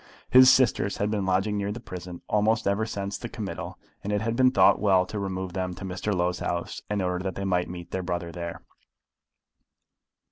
His sisters had been lodging near the prison almost ever since the committal, and it had been thought well to remove them to Mr. Low's house in order that they might meet their brother there.